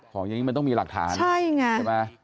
ของจังหิ้นมันต้องมีหลักฐานใช่ไหม